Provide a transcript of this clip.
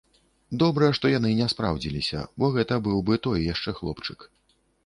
Добра, што яны не спраўдзіліся, бо гэта быў бы той яшчэ хлопчык.